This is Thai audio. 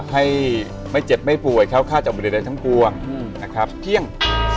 ให้ไม่เจ็บไม่ป่วยค่าจากบริเวณทั้งกวงนะครับเพี้ยง